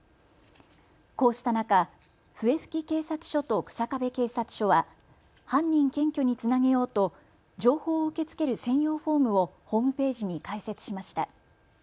こうした中、笛吹警察署と日下部警察署は犯人検挙につなげようと情報を受け付ける専用フォームをホームページに開設しました。